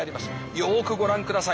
よくご覧ください。